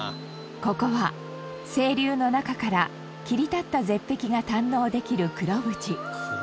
ここは清流の中から切り立った絶壁が堪能できる黒淵。